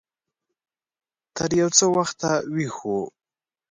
تر يو څه وخته ويښ و.